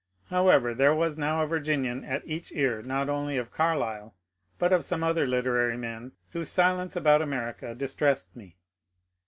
However, there was now a Virginian at each ear not only of Carlyle but of some other literary men whose silence about America distressed me.